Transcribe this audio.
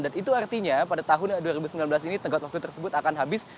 dan itu artinya pada tahun dua ribu sembilan belas ini tengkat waktu tersebut akan habis